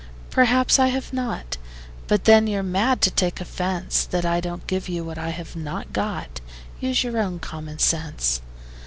Perhaps I have not; But then you're mad to take offence That I don't give you what I have not got: Use your own common sense.